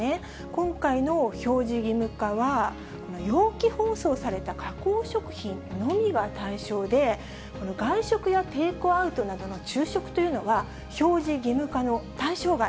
今回の表示義務化は、容器包装された加工食品のみが対象で、外食やテイクアウトなどの中食というのは、表示義務化の対象外。